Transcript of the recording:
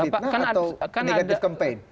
fitnah atau negatif campaign